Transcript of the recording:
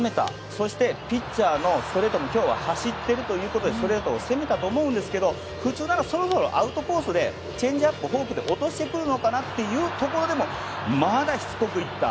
そしてピッチャーのストレートも今日は走っているということでストレートで攻めたと思うんですけど普通ならそろそろアウトコースでチェンジアップをフォークで落としてくるのかなというところでもまだ、しつこく行った。